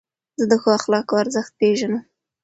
زه د ښو اخلاقو ارزښت پېژنم.